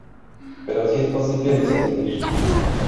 Pero sí es posible discernir.